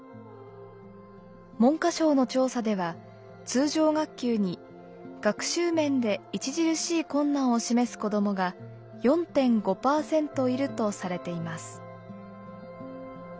文科省の調査では「通常学級に学習面で著しい困難を示す子どもが４．５％いる」とされています。